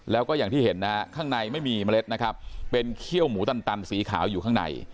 แล้วก็อย่างที่เห็นนะฮะข้างในไม่มีเมล็ดนะครับเป็นเขี้ยวหมูตันสีขาวอยู่ข้างใน